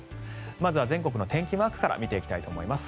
まずは全国の天気マークから見ていきたいと思います。